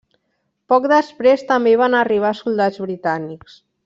Poc després, també hi van arribar soldats britànics.